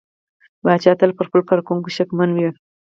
پاچا تل پر خپلو کارکوونکو شکمن وي .